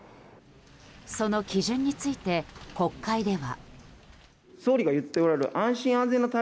その基準について国会では。